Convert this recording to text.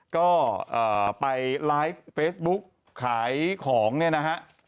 ก็ไปไลฟ์เฟซบุ๊กขายของเนี่ยนะฮะ